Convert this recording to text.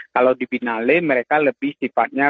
kalau di finale mereka lebih sifatnya